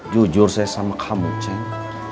jujur saya sama kamu cinta